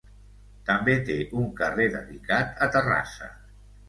També té un carrer dedicat a Terrassa.